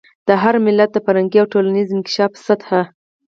د هر ملت د فرهنګي او ټولنیز انکشاف سطح.